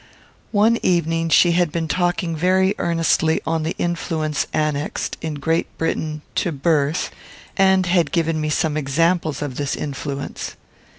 One evening she had been talking very earnestly on the influence annexed, in Great Britain, to birth, and had given me some examples of this influence.